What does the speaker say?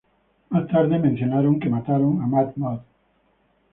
Más tarde mencionaron que mataron a Mad Mod.